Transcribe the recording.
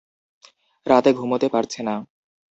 রাতে ঘুমোতে পারছে না।